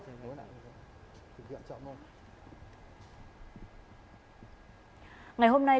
tình trạng trọng luôn